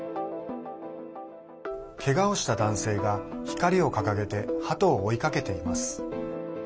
けがをした男性が光を掲げてハトを追いかけています。